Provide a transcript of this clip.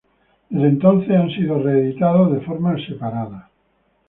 Desde entonces, han sido reeditados de forma separada.